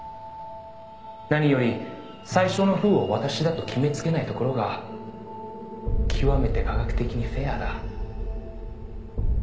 「何より最初のＷＨＯを私だと決めつけないところが極めて科学的にフェアだ」